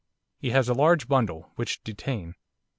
He has a large bundle, which detain.